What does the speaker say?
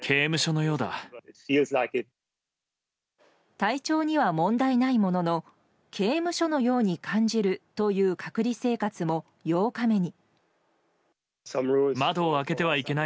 体調には問題ないものの刑務所のように感じるという隔離生活も８日目に。